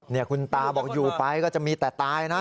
นี่คุณตาบอกอยู่ไปก็จะมีแต่ตายนะ